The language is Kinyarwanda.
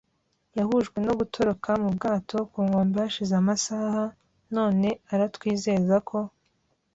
yahujwe no gutoroka mu bwato ku nkombe hashize amasaha, none aratwizeza ko